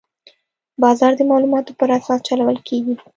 بازار د معلوماتو پر اساس چلول کېږي.